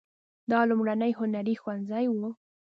دا لومړنی هنري ښوونځی و.